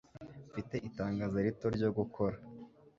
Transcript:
Mfite itangazo rito ryo gukora.